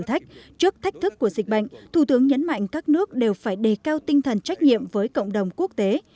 trước thách thức của dịch bệnh thủ tướng nhấn mạnh các nước đều phải đề cao tinh thần trách nhiệm với cộng đồng quốc tế